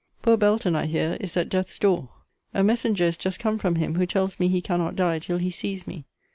Poor Belton, I hear, is at death's door. A messenger is just come from him, who tells me he cannot die till he sees me.